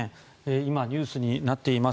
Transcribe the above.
今、ニュースになっています